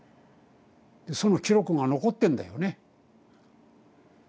その記録が残ってんだよね。